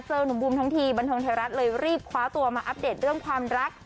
หนุ่มบูมทั้งทีบันเทิงไทยรัฐเลยรีบคว้าตัวมาอัปเดตเรื่องความรัก